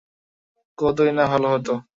কতই না ভালো হতো।